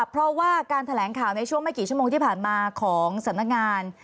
เพราะว่าการแถลงข่าวในช่วงไม่กี่ชั่วโมงที่ผ่านมาของสำนักงาน